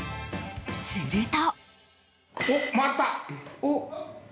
すると。